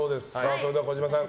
それでは児嶋さん